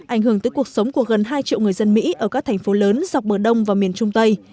ảnh hưởng tới cuộc sống của gần hai triệu người dân mỹ ở các thành phố lớn dọc bờ đông và miền trung tây